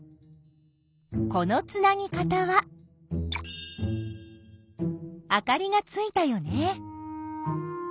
このつなぎ方はあかりがついたよね。